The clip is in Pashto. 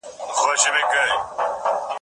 زه اوږده وخت د ښوونځی لپاره امادګي نيسم وم.